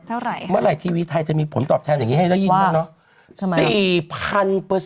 เมื่อไหร่เมื่อไหร่ทีวีไทยจะมีผลตอบแทนอย่างนี้ให้ได้ยินบ้างเนอะ